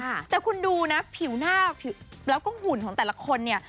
แต่คุณดูนะผิวหน้าผิวแล้วก็หุ่นของแต่ละคนเนี่ย